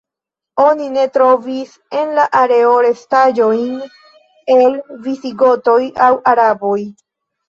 Oni ne trovis en la areo restaĵojn el visigotoj aŭ araboj.